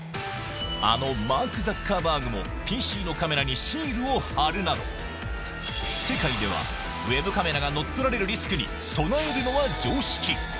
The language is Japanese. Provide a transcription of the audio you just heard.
あのマーク・ザッカーバーグも、ＰＣのカメラにシールを貼るなど、世界では、ウェブカメラが乗っ取られるリスクに備えるのが常識。